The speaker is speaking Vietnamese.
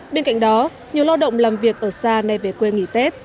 bên cạnh đó nhiều lao động làm việc ở xa nay về quê nghỉ tết